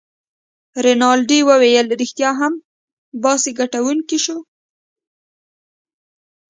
رینالډي وویل: ريښتیا هم، باسي ګټونکی شو.